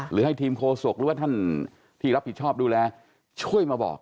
หรือให้ทีมโคศกหรือว่าท่านที่รับผิดชอบดูแลช่วยมาบอก